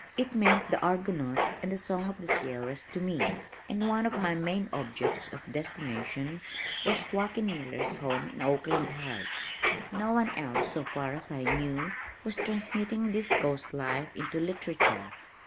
It meant the Argonauts and The Songs of the Sierras to me, and one of my main objects of destination was Joaquin Miller's home in Oakland Heights. No one else, so far as I knew, was transmitting this Coast life into literature.